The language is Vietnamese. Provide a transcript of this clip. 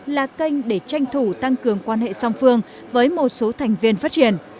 là kênh để tranh thủ tăng cường quan hệ song phương với một số thành viên phát triển